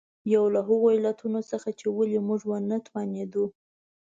یو له هغو علتونو څخه چې ولې موږ ونه توانېدو.